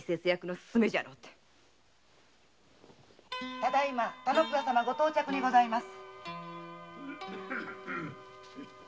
ただ今田之倉様ご到着にございます。